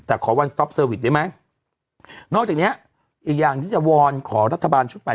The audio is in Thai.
แต่ขอวันสต๊อปเซอร์วิสได้ไหมนอกจากเนี้ยอีกอย่างที่จะวอนขอรัฐบาลชุดใหม่